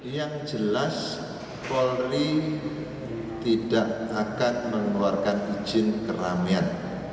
yang jelas polri tidak akan mengeluarkan izin keramaian